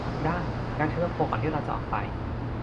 ได้ งั้นฉันต้องโทรก่อนที่เราจะออกไป